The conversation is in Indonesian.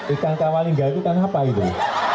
ikan kawalinga itu kan apa itu